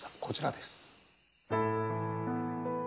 こちらです。